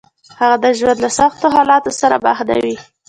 هغه د ژوند له سختو حالاتو سره مخ نه وي.